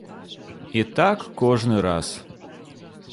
І так кожны раз.